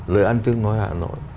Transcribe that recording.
lời ăn tưng nói hà nội